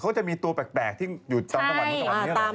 เขาก็จะมีตัวแปลกที่อยู่ตามต่างที่นี่เหรอ